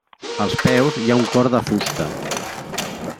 Als peus hi ha un cor de fusta.